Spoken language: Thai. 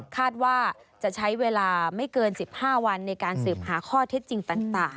คาดว่าจะใช้เวลาไม่เกิน๑๕วันในการสืบหาข้อเท็จจริงต่าง